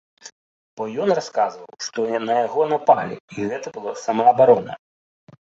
Бо ён расказваў, што на яго напалі і гэта была самаабарона.